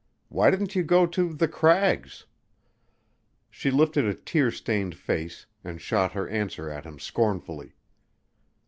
Why didn't you go to 'The Crags'?" She lifted a tear stained face and shot her answer at him scornfully.